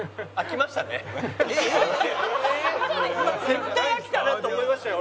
絶対飽きたなと思いましたよ